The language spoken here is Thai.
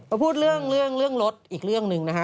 พอพูดเรื่องรถอีกเรื่องหนึ่งนะฮะ